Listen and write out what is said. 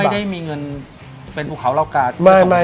ไม่ได้มีเงินเป็นฮูเขาราวกา